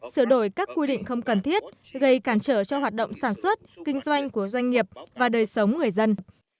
sửa đổi các quy định không cần thiết gây cản trở cho hoạt động sản xuất kinh doanh của doanh nghiệp và đời sống người dân